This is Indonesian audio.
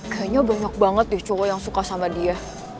kayaknya banyak banget deh chowo yang suka sama dia